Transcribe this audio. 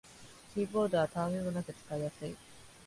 キーボードはたわみもなく使いやすい